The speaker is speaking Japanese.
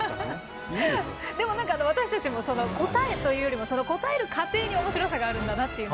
でも何か私たちも答えというよりもその答える過程におもしろさがあるんだなって。